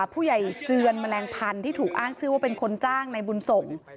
เจือนแมลงพันธุ์ที่ถูกอ้างชื่อว่าเป็นคนจ้างในบุญส่ง